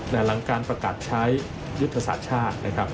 หลังการประกาศใช้ยุทธศาสตร์ชาติ